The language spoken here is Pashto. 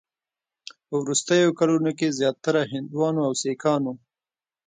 په وروستیو کلونو کې زیاتره هندوانو او سیکانو